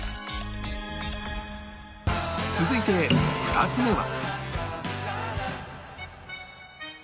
続いて２つ目は